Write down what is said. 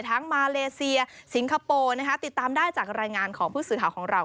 มาเลเซียสิงคโปร์นะคะติดตามได้จากรายงานของผู้สื่อข่าวของเรา